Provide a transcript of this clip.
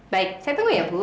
baik saya tunggu ya bu